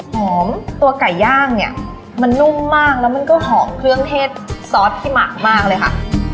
ตัวไก่ย่างเนี่ยมันนุ่มมากแล้วมันก็หอมเครื่องเทศซอสที่หมักมากเลยค่ะ